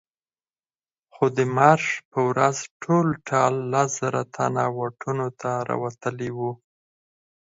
خو د مارش په ورځ ټول ټال لس زره تنه واټونو ته راوتلي وو.